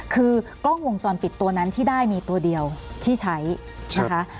คือกล้องวงจรปิดตัวนั้นที่ได้มีตัวเดียวที่ใช้นะคะ